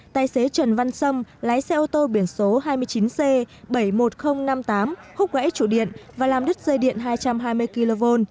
tài xế trần văn sâm lái xe ô tô biển số hai mươi chín c bảy mươi một nghìn năm mươi tám húc gãy trụ điện và làm đứt dây điện hai trăm hai mươi kv